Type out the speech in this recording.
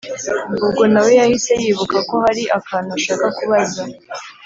ubwo na we yahise yibuka ko hari akantu ashaka kubaza